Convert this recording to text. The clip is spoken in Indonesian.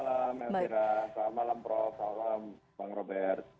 selamat malam mbak elvira selamat malam prof selamat malam bang robert